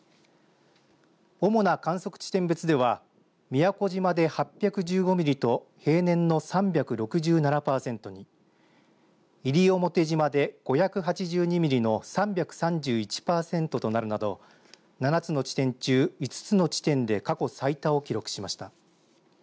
主な観測地点別では宮古島で８１５ミリと平年の３６７パーセントに西表島で５８２ミリの３３１パーセントとなるなど７つの地点中、５つの地点で過去最多を記録しました。